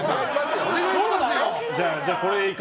お願いしますよ！